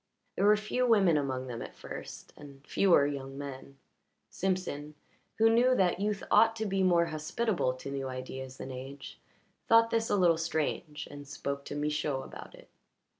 There were few women among them at first and fewer young men; Simpson, who knew that youth ought to be more hospitable to new ideas than age, thought this a little strange and spoke to Michaud about it.